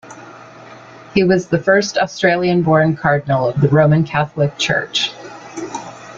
He was the first Australian-born cardinal of the Roman Catholic Church.